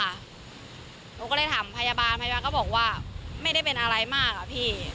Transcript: หนูก็เลยถามพยาบาลพยาบาลก็บอกว่าไม่ได้เป็นอะไรมากอะพี่